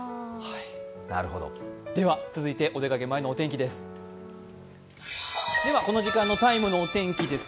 続いてお出かけ前のお天気です。